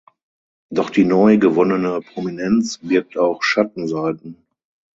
Doch die neu gewonnene Prominenz birgt auch Schattenseiten.